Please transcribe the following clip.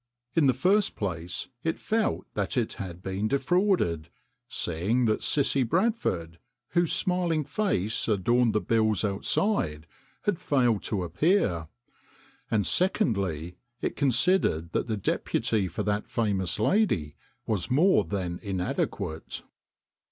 In the first place it felt that it had been defrauded, seeing that Cissie Bradford, whose smiling face adorned the bills outside, had failed to appear, and secondly, it considered that the deputy for that famous lady was more than inadequate.